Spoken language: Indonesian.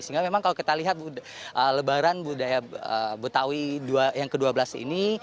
sehingga memang kalau kita lihat lebaran budaya betawi yang ke dua belas ini